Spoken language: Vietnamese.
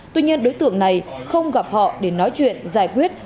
tuy nhiên đối tượng này không gặp họ để nói chuyện giải quyết